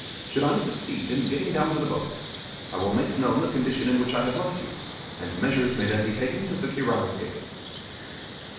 Should I succeed in getting down to the boats, I will make known the condition in which I have left you, and measures may then be taken to secure our escape.